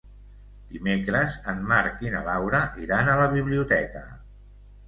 Dimecres en Marc i na Laura iran a la biblioteca.